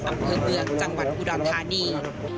อำเภอเมืองจังหวัดอุดรธานี